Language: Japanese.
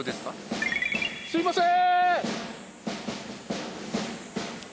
すいません！